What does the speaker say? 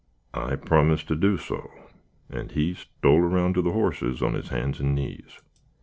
I promised to do so, and he stole around to the hosses on his hands and knees.